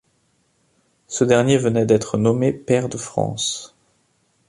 Ce dernier venait d'être nommé pair de France.